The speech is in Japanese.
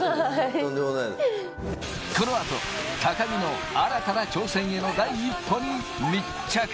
いえ、このあと、高木の新たな挑戦への第一歩に密着。